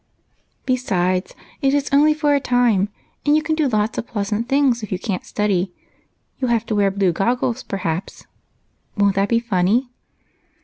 Besides, it is only for a time, and you can do lots of pleasant things if you can't study. You'll have to wear blue goggles, perhaps; won't that be funny?"